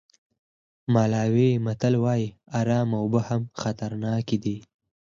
مالاوي متل وایي ارامه اوبه هم خطرناک دي.